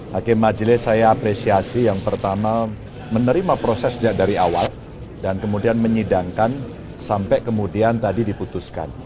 hakim majelis saya apresiasi yang pertama menerima proses dari awal dan kemudian menyidangkan sampai kemudian tadi diputuskan